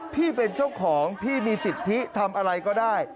พี่เป็นเจ้าของพี่มีสิทธิทำอะไรก็ได้